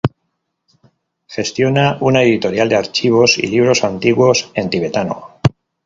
Gestiona una editorial de archivos y libros antiguos en tibetano.